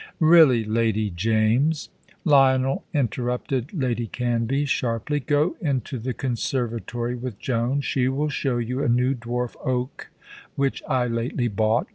"Really, Lady James " "Lionel," interrupted Lady Canvey, sharply, "go into the conservatory with Joan. She will show you a new dwarf oak which I lately bought.